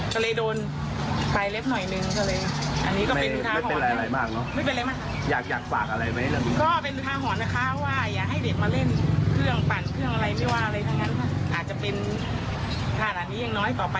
ก็เลยเป็นอุทาหอนว่าอย่าให้เด็กมาเล่นนะคะว่าให้เราทำเอง